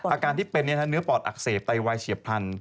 อาการที่เป็นเนื้อปอดอักเสบไตวายเฉียบพลัน